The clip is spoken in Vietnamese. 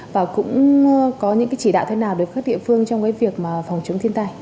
và cũng có những cái chỉ đạo thế nào để các địa phương trong cái việc mà phòng chống thiên tai